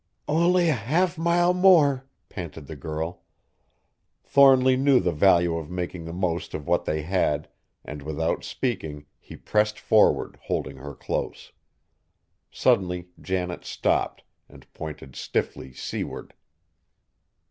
"Only a half mile more!" panted the girl. Thornly knew the value of making the most of what they had, and without speaking he pressed forward, holding her close. Suddenly Janet stopped and pointed stiffly seaward.